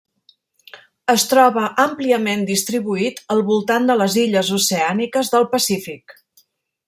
Es troba àmpliament distribuït al voltant de les illes oceàniques del Pacífic.